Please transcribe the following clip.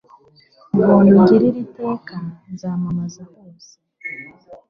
ubuntu ungirira iteka; nzamamza hose